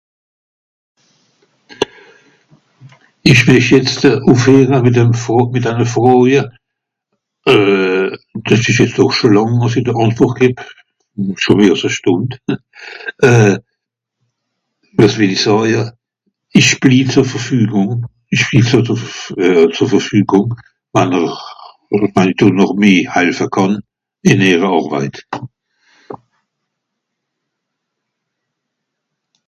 ìsch ... ùff eve mìt den fro denne froje euh des esch jetz dor schò làng wàs'i do àntwòrt geb schò wärs à stùnd euh wàs well'i sàje isch blie ver ferfügùng ... zu ferfügùng wann'er wann'i do noch meh halfe kànn ìn ìhre àrveit